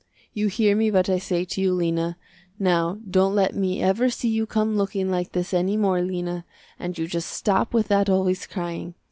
You hear me what I say to you Lena. Now don't let me ever see you come looking like this any more Lena, and you just stop with that always crying.